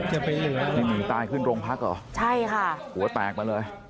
จะหนีตายขึ้นโรงพักเหรอใช่ค่ะหัวแตกมาเลย